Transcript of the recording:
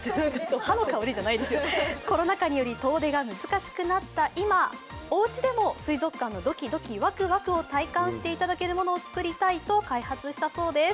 歯の香りじゃないですよ、コロナ禍により遠出が難しくなった今、おうちでも水族館のドキドキワクワクを体感していただけるものを作りたいと開発したそうです。